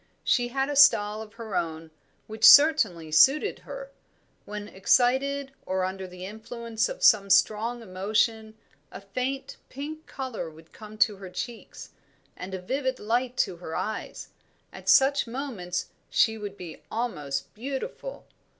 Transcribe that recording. She had a style of her own, which certainly suited her. When excited, or under the influence of some strong emotion, a faint pink colour would come to her cheeks, and a vivid light to her eyes; at such moments she would be almost beautiful.